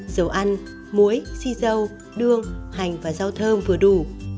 dầu ăn muối si dâu hành và rau thơm vừa đủ